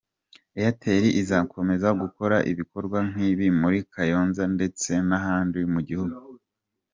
Airtel izakomeza gukora ibikorwa nk’ibi muri Kayonza ndetse n’ahandi mu gihugu.